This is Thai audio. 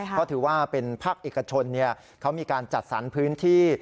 เพราะถือว่าเป็นภาคเอกชนเขามีการจัดสรรพื้นที่